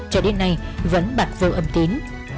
cho đến nay vẫn bạc vô âm tín